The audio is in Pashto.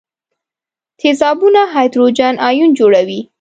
تیزابونه هایدروجن ایون جوړوي.